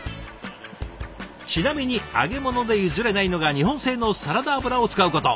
ちなみに揚げ物で譲れないのが日本製のサラダ油を使うこと。